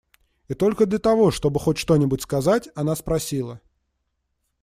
И только для того, чтобы хоть что-нибудь сказать, она спросила: